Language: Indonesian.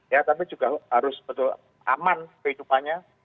ya tapi juga harus betul aman kehidupannya